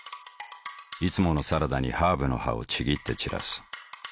いつものサラダにハーブの葉をちぎって散らす。